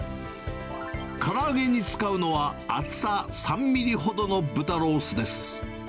から揚げに使うのは、厚さ３ミリほどの豚ロースです。